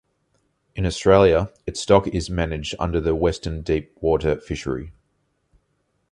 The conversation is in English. In Australia its stock is managed under the Western Deep Water Fishery.